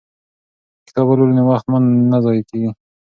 که کتاب ولولو نو وخت مو نه ضایع کیږي.